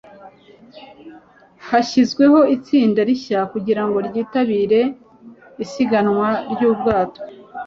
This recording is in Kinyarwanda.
hashyizweho itsinda rishya kugirango ryitabire isiganwa ryubwato